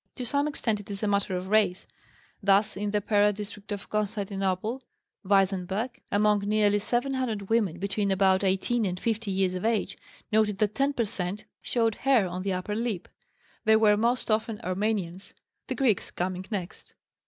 To some extent it is a matter of race; thus in the Pera district of Constantinople, Weissenberg, among nearly seven hundred women between about 18 and 50 years of age, noted that 10 per cent, showed hair on the upper lip; they were most often Armenians, the Greeks coming next.